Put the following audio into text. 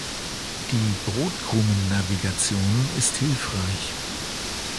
Die Brotkrumennavigation ist hilfreich.